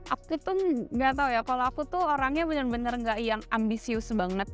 aku tuh nggak tahu ya kalau aku tuh orangnya benar benar nggak yang ambisius banget